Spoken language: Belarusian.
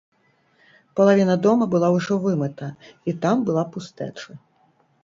Палавіна дома была ўжо вымыта, і там была пустэча.